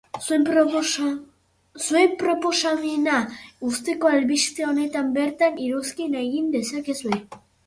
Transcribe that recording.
Zuen proposamena uzteko albiste honetan bertan iruzkina egin dezakezue.